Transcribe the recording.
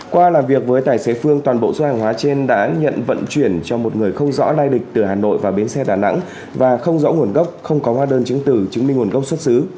qua làm việc với tài xế phương toàn bộ số hàng hóa trên đã nhận vận chuyển cho một người không rõ lai lịch từ hà nội vào bến xe đà nẵng và không rõ nguồn gốc không có hóa đơn chứng tử chứng minh nguồn gốc xuất xứ